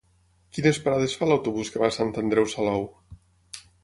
Quines parades fa l'autobús que va a Sant Andreu Salou?